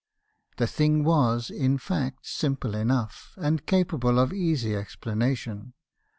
The thing was, in fact, simple enough, and capable of easy explanation.